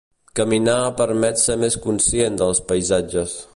Caminar permet ser més conscient dels paisatges.